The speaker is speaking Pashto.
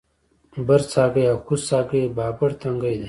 برڅاګی او کوز څاګی بابړ تنګی دی